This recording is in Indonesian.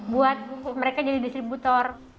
buat mereka jadi distributor